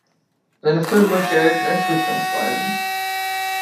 Seine Filme gelten als richtungsweisend.